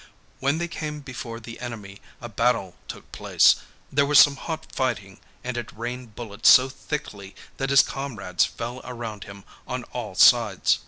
When they came before the enemy, a battle took place, there was some hot fighting, and it rained bullets so thickly that his comrades fell around him on all sides.